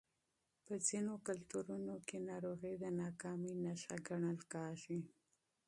په ځینو کلتورونو کې ناروغي د ناکامۍ نښه ګڼل کېږي.